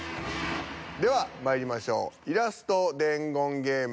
ではまいりましょうイラスト伝言ゲーム